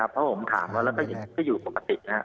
เพราะผมถามเขาเค้าอยู่ปกติ